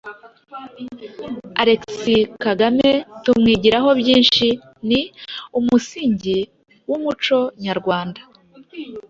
Alexis Kagame tumwigirahobyishi ni umusingi w’umuco nyarwanda.